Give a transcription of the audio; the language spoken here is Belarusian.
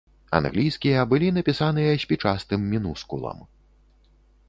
Англійскія былі напісаныя спічастым мінускулам.